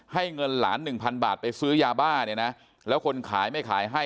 ให้เงินหลาน๑๐๐๐บาทไปซื้อยาบ้าแล้วคนขายไม่ขายให้